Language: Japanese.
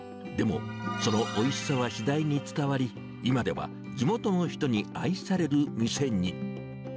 でも、そのおいしさは次第に伝わり、今では地元の人に愛される店に。